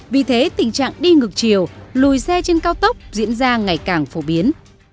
vì thế tình trạng đi ngược chiều lùi xe trên cao tốc diễn ra ngày càng phổ biến